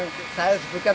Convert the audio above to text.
mendapat air dari sumber air